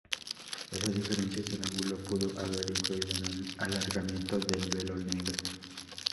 Esa diferencia en el ángulo pudo haber influido en el alargamiento del velo negro.